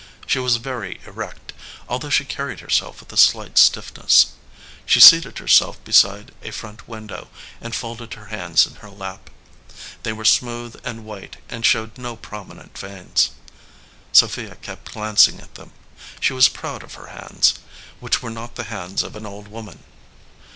She was very erect, al though she carried herself with a slight stiffness. She seated herself beside a front window and folded her hands in her lap. They were smooth and white and showed no prominent veins. Sophia kept glancing at them. She was proud of her hands, which were not the hands of an old woman.